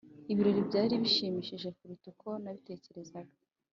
ibirori byari bishimishije kuruta uko nabitekerezaga.